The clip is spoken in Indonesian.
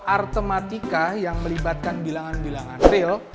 artematika yang melibatkan bilangan bilangan real